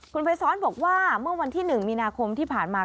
คุณภัยซ้อนบอกว่าเมื่อวันที่๑มีนาคมที่ผ่านมา